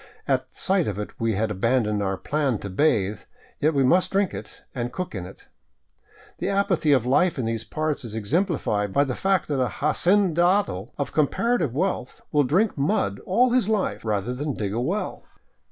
At sight of it we had abandoned our plan to bathe, yet we must drink it and cook in it. The apathy of life in these parts is ex emplified by the fact that an hacendado of comparative wealth will drink mud all his life, rather than dig a well.